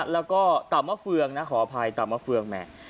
แล้วก็เต่ามะเฟืองนะขออภัยเต่ามะเฟืองแหม่